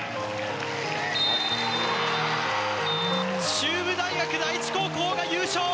中部大学第一高校が優勝！